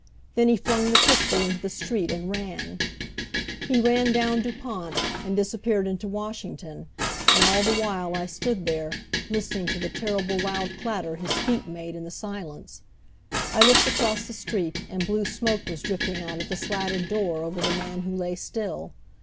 Then he flung the pistol into the street and ran. He ran down Dupont, and disappeared into Washington; and all the while I stood there, listening to the terrible loud clatter his feet made in the silence. I looked across the street, and blue smoke was drifting out of the slatted door over the man who lay still.